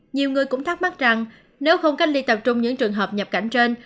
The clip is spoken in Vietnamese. nhiều người cũng thắc mắc rằng nếu không cách ly tập trung những trường hợp nhập cảnh trên